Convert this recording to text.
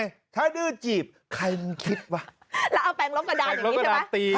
ถ้าดื้อจีบใครคิดว่ะแล้วเอาแปลงล้มกระดานอย่างนี้ใช่ไหม